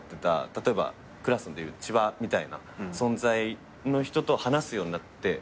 例えばクラスでいう千葉みたいな存在の人と話すようになって。